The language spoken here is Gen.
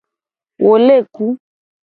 Wo le ku.